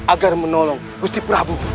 agar menolong gusti prabu